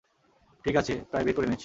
ঠিক আছে, প্রায় বের করে এনেছি।